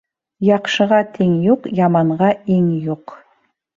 Яҡшыға тиң юҡ, яманға иң юҡ.